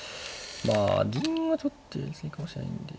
まあ銀はちょっとやり過ぎかもしれないんで。